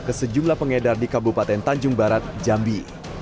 ke sejumlah pengedar di kabupaten tanjung barat jambi